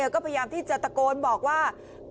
ก็พยายามที่จะตะโกนบอกว่า